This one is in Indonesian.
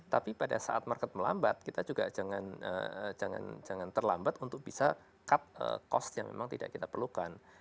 tapi pada saat market melambat kita juga jangan terlambat untuk bisa cut cost yang memang tidak kita perlukan